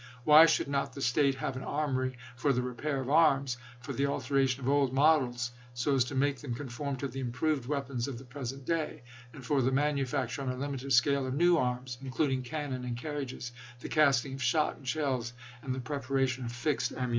Why should not the State have an armory for the repair of arms, for the alteration of old models so as to make them conform to the improved weapons of the present day, and for the manufacture on a limited scale of new arms, including cannon and carriages; the casting of shot and shells, and the preparation of fixed ammunition